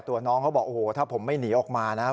น้องเขาบอกโอ้โหถ้าผมไม่หนีออกมานะครับ